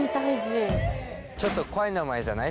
ちょっと怖い名前じゃない？